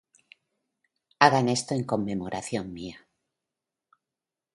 Hagan esto en conmemoración mía.